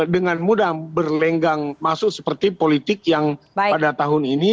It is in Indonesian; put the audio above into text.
dengan mudah berlenggang masuk seperti politik yang pada tahun ini